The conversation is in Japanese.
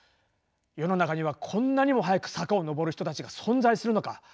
世の中にはこんなにも速く坂を上る人たちが存在するのか。